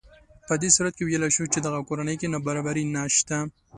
په دې صورت کې ویلی شو چې دغه کورنۍ کې نابرابري نهشته